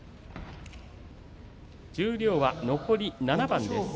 十両は残り７番です。